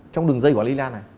trong đường dây của an lý lan này